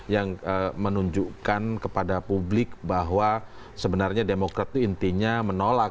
yang menunjukkan kepada publik bahwa sebenarnya demokrat itu intinya menolak